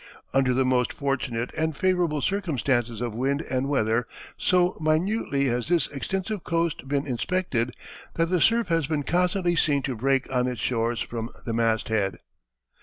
Under the most fortunate and favorable circumstances of wind and weather, so minutely has this extensive coast been inspected, that the surf has been constantly seen to break on its shores from the mast head."